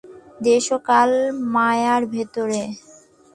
দেশ ও কাল মায়ার ভিতরে।